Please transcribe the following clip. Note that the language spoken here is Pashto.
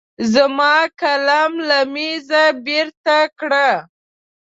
زما قلم له مېزه بېرته کړه.